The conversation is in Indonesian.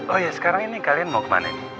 oh ya sekarang ini kalian mau kemana nih